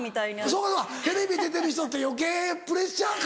そうかテレビ出てる人って余計プレッシャーか。